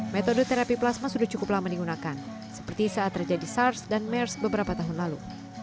metode terapi plasma sudah cukup lama digunakan seperti saat terjadi sars dan mers beberapa tahun lalu